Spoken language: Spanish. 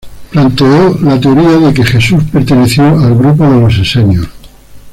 Planteó la teoría de que Jesús perteneció al grupo de los esenios.